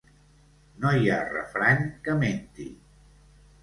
No hi ha refrany que menti.